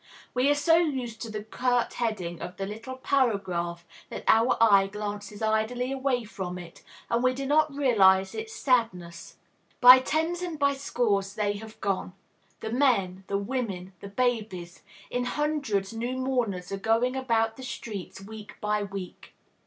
We are so used to the curt heading of the little paragraph that our eye glances idly away from it, and we do not realize its sadness. By tens and by scores they have gone, the men, the women, the babies; in hundreds new mourners are going about the streets, week by week.